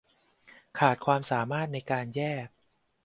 ขาดความสามารถในการแยก